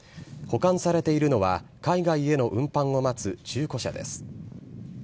保管されているのは、海外への運搬を待つ中古車です。